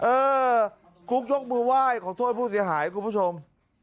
เออกุ๊กยกมือไหว้ขอโทษผู้เสียหายคุณผู้ชม